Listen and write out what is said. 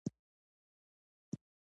شکر د دې نعمتونو پکار دی.